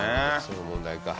その問題か。